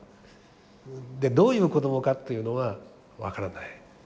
どういう子供かというのは分からない。